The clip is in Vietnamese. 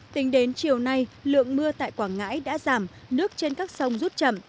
tính đến chiều nay lượng mưa tại quảng ngãi đã giảm nước trên các sông rút chậm